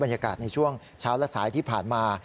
ในช่วงเช้าและสายที่ผ่านมา